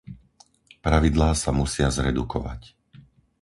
Pravidlá sa musia zredukovať.